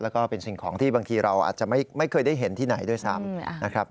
แล้วก็เป็นสิ่งของที่บางทีเราอาจจะไม่เคยได้เห็นที่ไหนด้วยซ้ำนะครับ